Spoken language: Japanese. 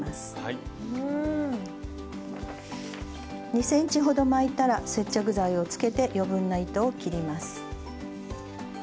２ｃｍほど巻いたら接着剤をつけて余分な糸を切ります。